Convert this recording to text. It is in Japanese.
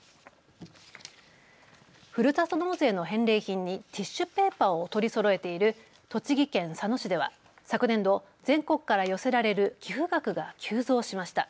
ふるさと納税の返礼品にティッシュペーパーを取りそろえている栃木県佐野市では昨年度、全国から寄せられる寄付額が急増しました。